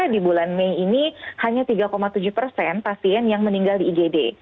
di bulan mei ini hanya tiga tujuh persen pasien yang meninggal di igd